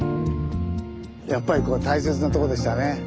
やっぱりここ大切なとこでしたね。